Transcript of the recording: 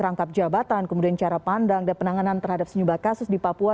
rangkap jabatan kemudian cara pandang dan penanganan terhadap sejumlah kasus di papua